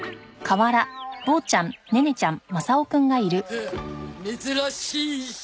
あっ珍しい石。